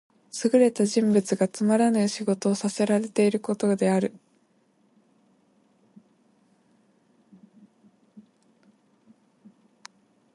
優れた人物がつまらぬ仕事をさせらていることである。「驥、塩車に服す」とも読む。